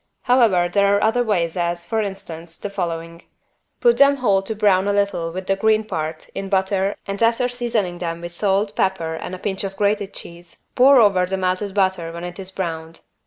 However there are other ways as, for instance, the following: Put them whole to brown a little with the green part in butter and, after seasoning them with salt, pepper and a pinch of grated cheese, pour over the melted butter when it is browned.